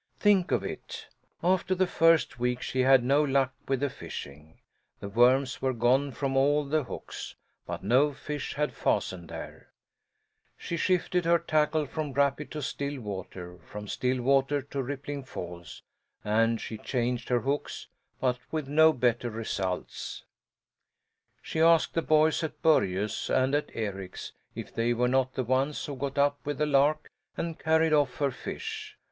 Think of it! After the first week she had no luck with the fishing. The worms were gone from all the hooks, but no fish had fastened there. She shifted her tackle from rapid to still water, from still water to rippling falls, and she changed her hooks but with no better results. She asked the boys at Börje's and at Eric's if they were not the ones who got up with the lark and carried off her fish.